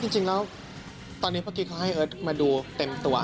จริงแล้วตอนนี้เมื่อกี้เขาให้เอิร์ทมาดูเต็มตัว